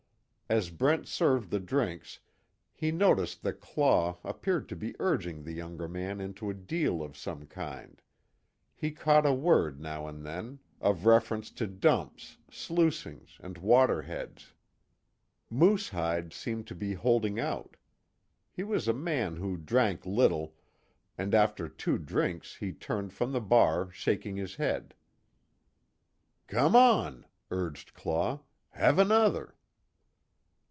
As Brent served the drinks, he noticed that Claw appeared to be urging the younger man into a deal of some kind he, caught a word now and then, of reference to dumps, slucings, and water heads. Moosehide seemed to be holding out. He was a man who drank little, and after two drinks he turned from the bar shaking his head. "Come on," urged Claw, "Have another."